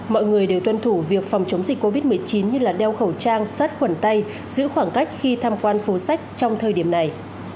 mọi người đều tuân thủ việc phòng chống dịch covid một mươi chín như đeo khẩu trang sát khuẩn tay giữ khoảng cách khi tham quan phố sách trong thời điểm này